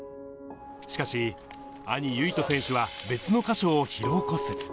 しかし、兄、唯翔選手は別の箇所を疲労骨折。